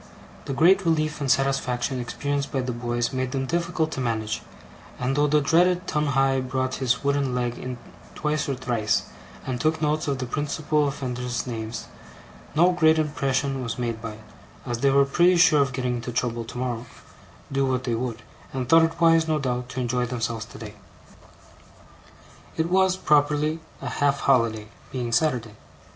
The great relief and satisfaction experienced by the boys made them difficult to manage; and though the dreaded Tungay brought his wooden leg in twice or thrice, and took notes of the principal offenders' names, no great impression was made by it, as they were pretty sure of getting into trouble tomorrow, do what they would, and thought it wise, no doubt, to enjoy themselves today. It was, properly, a half holiday; being Saturday.